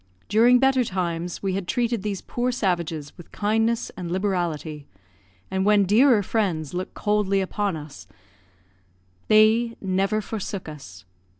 During better times we had treated these poor savages with kindness and liberality, and when dearer friends looked coldly upon us they never forsook us.